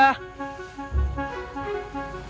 saya paham banget kok